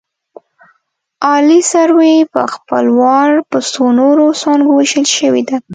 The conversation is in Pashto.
عالي سروې په خپل وار په څو نورو څانګو ویشل شوې ده